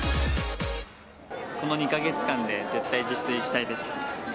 この２か月間で絶対自炊したいです。